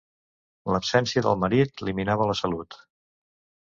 L’absència del marit li minava la salut.